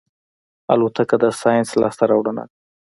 الوتکه د ساینس لاسته راوړنه ده.